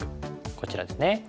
こちらですね。